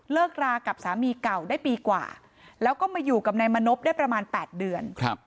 รากับสามีเก่าได้ปีกว่าแล้วก็มาอยู่กับนายมณพได้ประมาณ๘เดือน